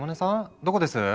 どこです？